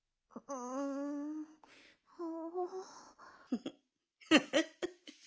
フフフフフフ。